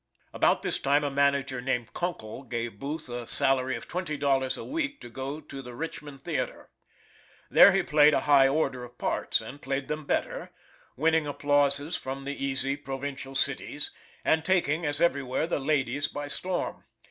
About this time a manager named Kunkle gave Booth a salary of twenty dollars a week to go to the Richmond Theater. There he played a higher order of parts, and played them better, Winning applauses from the easy provincial cities, and taking, as everywhere the ladies by storm.